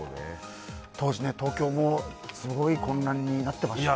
当時、東京もすごい混乱になってましたから。